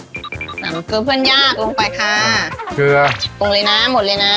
นำเกลือเพื่อนยากลงไปค่ะเกลือปรุงเลยนะหมดเลยนะ